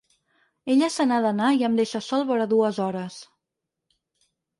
Ella se n’ha d’anar i em deixa sol vora dues hores.